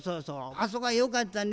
あそこはよかったね。